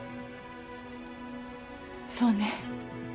そうね。